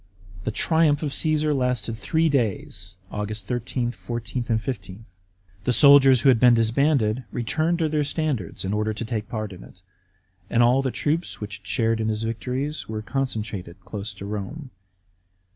The triumph of Caesar lasted three days (Aug. 13, 14, 15). The soldiers who had been disbanded returned to their standards in order to take part in it, and all the troops which had shared in his victories were concentrated close to Borne.